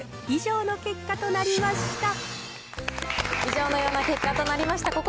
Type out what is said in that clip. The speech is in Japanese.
以上のような結果となりました。